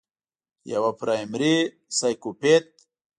يوه پرائمري سايکوپېت